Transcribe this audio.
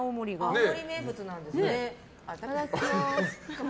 青森名物なんですね。